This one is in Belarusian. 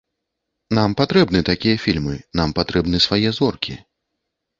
Нам патрэбны такія фільмы, нам патрэбны свае зоркі.